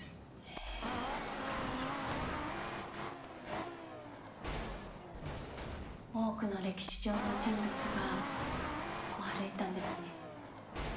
キュッキュッ多くの歴史上の人物がここ歩いたんですね。